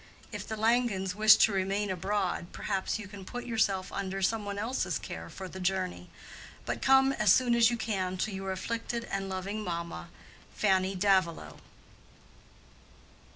If the Langens wish to remain abroad, perhaps you can put yourself under some one else's care for the journey. But come as soon as you can to your afflicted and loving mamma, FANNY DAVILOW.